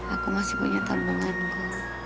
aku masih punya tabunganku